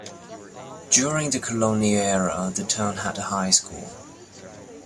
During the colonial era the town had a high school.